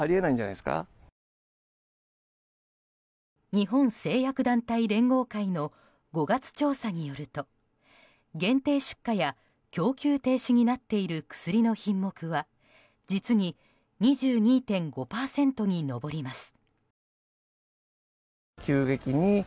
日本製薬団体連合会の５月調査によると限定出荷や供給停止になっている薬の品目は実に２２．５％に上ります。